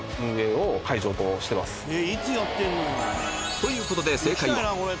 ということで正解はえ！